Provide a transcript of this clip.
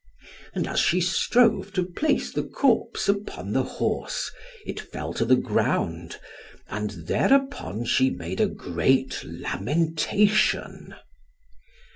And as she strove to place the corpse upon the horse, it fell to the ground, and thereupon she made a great lamentation.